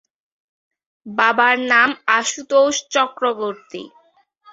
বাবার নাম আশুতোষ চক্রবর্তী।